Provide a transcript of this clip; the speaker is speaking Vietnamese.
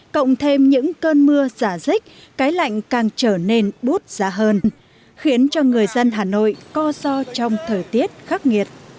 cộng thêm những cơn mưa giả dích cái lạnh càng trở nên bút giá hơn khiến cho người dân hà nội co so trong thời tiết khắc nghiệt